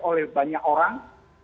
oleh banyak orang